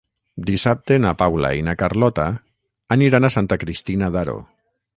Dissabte na Paula i na Carlota aniran a Santa Cristina d'Aro.